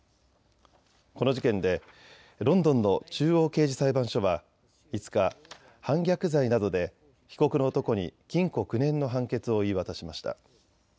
この事件でロンドンの中央刑事裁判所は５日、反逆罪などで被告の男に禁錮９年の判決を言い渡しました。